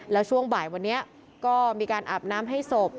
แล้วช่วงบ่ายวันนี้ก็มีการอาบน้ำให้ศพ